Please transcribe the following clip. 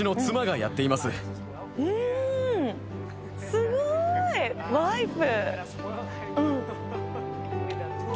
すごい。ワイフ。